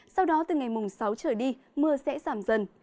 sau đó từ ngày mùng sáu trở đi mưa sẽ giảm dần